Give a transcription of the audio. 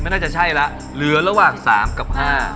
น่าจะใช่แล้วเหลือระหว่าง๓กับ๕